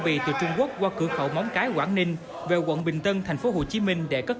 bì từ trung quốc qua cửa khẩu móng cái quảng ninh về quận bình tân thành phố hồ chí minh để cất